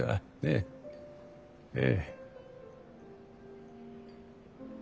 ええ。